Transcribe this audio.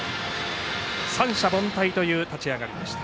三者凡退という立ち上がりでした。